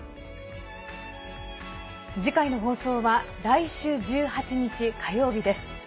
次回の放送は来週１８日、火曜日です。